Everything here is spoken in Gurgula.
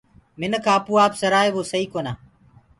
منک آپو ڪوُ آپ سَرآئي وو سئي ڪونآ۔